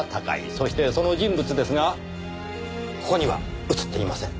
そしてその人物ですがここには写っていません。